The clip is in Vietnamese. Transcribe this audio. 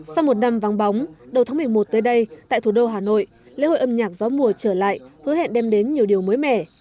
sau một năm vắng bóng đầu tháng một mươi một tới đây tại thủ đô hà nội lễ hội âm nhạc gió mùa trở lại hứa hẹn đem đến nhiều điều mới mẻ